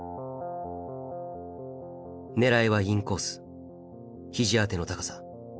狙いはインコース肘当ての高さ。